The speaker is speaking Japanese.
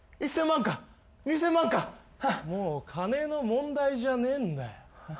もう金の問題じゃねえんだよ。